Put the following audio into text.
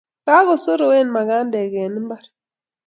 Kokosoroen magandek eng' mbar